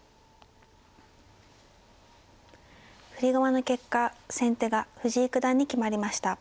振り駒の結果先手が藤井九段に決まりました。